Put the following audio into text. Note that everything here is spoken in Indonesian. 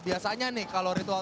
biasanya nih kalau ritual